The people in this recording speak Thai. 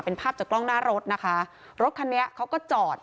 เป็นภาพจากกล้องหน้ารถนะคะรถคันนี้เขาก็จอด